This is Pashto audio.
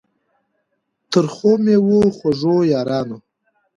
د ترخو میو خوږو یارانو